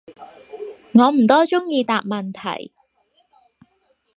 我唔多中意答問題